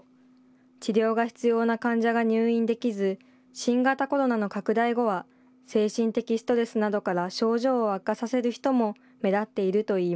治療が必要な患者が入院できず、新型コロナの拡大後は、精神的ストレスなどから症状を悪化させる人も目立っているといい